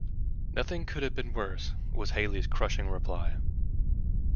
"Nothing could have been worse," was Hallie's crushing reply.